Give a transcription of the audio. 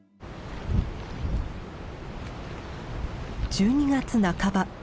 １２月半ば。